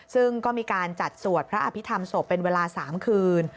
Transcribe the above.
ซึ่งก็มีการจัดสวดพระอภิษฐรรมศพเป็นเวลา๓คืน